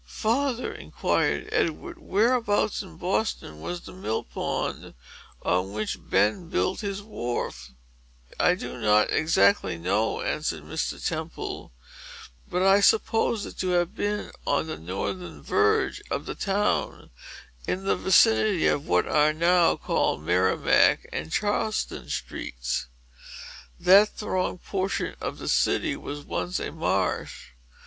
"Father," inquired Edward, "whereabouts in Boston was the mill pond, on which Ben built his wharf?" "I do not exactly know," answered Mr. Temple; "but I suppose it to have been on the northern verge of the town, in the vicinity of what are now called Merrimack and Charlestown streets. That thronged portion of the city was once a marsh.